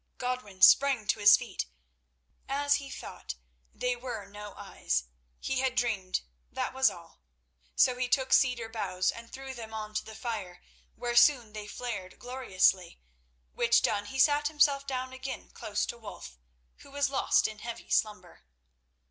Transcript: Godwin sprang to his feet. As he thought, they were no eyes. He had dreamed, that was all. So he took cedar boughs and threw them on to the fire, where soon they flared gloriously, which done he sat himself down again close to Wulf, who was lost in heavy slumber.